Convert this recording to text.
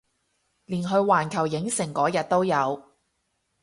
連去環球影城嗰日都有